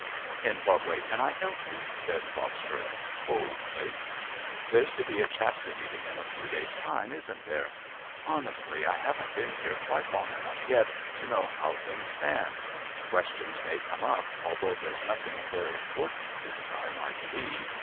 "In what way can I help you?" asked Foster coldly. "There's to be a Chapter Meeting in a few days' time, isn't there? Honestly I haven't been here quite long enough yet to know how things stand. Questions may come up, although there's nothing very important this time, I believe.